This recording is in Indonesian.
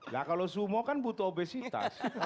nah kalau sumo kan butuh obesitas